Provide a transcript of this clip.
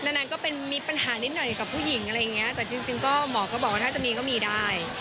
นานก็เป็นมีปัญหานิดหน่อยกับผู้หญิงอะไรอย่างเงี้ยแต่จริงก็หมอก็บอกว่าถ้าจะมีก็มีได้